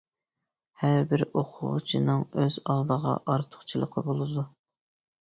ھەر بىر ئوقۇغۇچىنىڭ ئۆز ئالدىغا ئارتۇقچىلىقى بولىدۇ.